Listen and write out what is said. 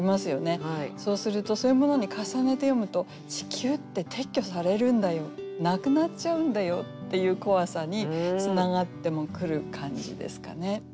そうするとそういうものに重ねて読むと地球って撤去されるんだよなくなっちゃうんだよっていう怖さにつながってもくる感じですかね。